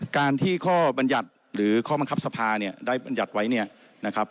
การที่ข้อบรรยัติหรือข้อบังคับสภาเนี่ยได้บรรยัติไว้เนี่ยนะครับ